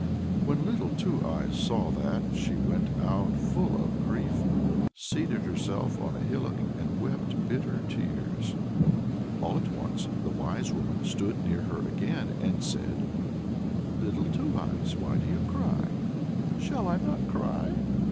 When Little Two Eyes saw that, she went out full of grief, seated herself on a hillock, and wept bitter tears. All at once the wise woman stood near her again, and said, "Little Two Eyes, why do you cry?" "Shall I not cry?"